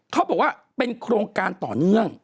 เขาบอกว่าเป็นโครงการต่อเนื่อง